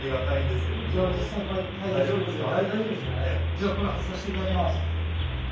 じゃあこれ外させて頂きます。